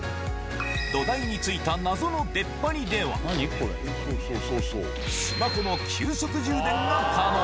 土台についた謎のでっぱりでは、スマホの急速充電が可能。